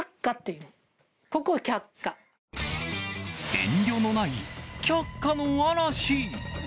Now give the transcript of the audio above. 遠慮のない却下の嵐。